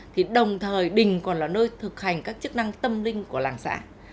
thì đồng thời đình còn là nơi thực hành các chức năng tâm linh của làng xã